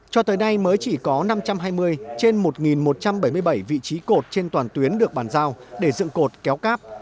cho tới nay mới chỉ có năm trăm hai mươi trên một một trăm bảy mươi bảy vị trí cột trên toàn tuyến được bàn giao để dựng cột kéo cáp